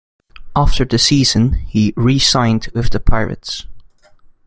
After the season, he re-signed with the Pirates.